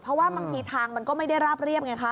เพราะว่าบางทีทางมันก็ไม่ได้ราบเรียบไงคะ